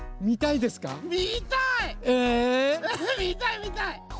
みたい！みたいみたい！